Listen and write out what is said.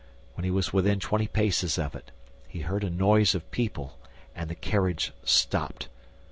When he was within twenty paces of it, he heard a noise of people and the carriage stopped.